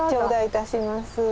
頂戴いたします。